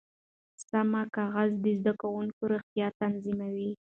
سمه غذا د زده کوونکو روغتیا تضمینوي.